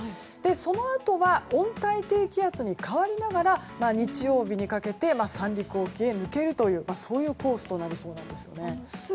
そのあとは温帯低気圧に変わりながら日曜日にかけて三陸沖へ抜けるというそういうコースとなりそうです。